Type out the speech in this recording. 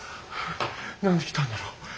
何で来たんだろう。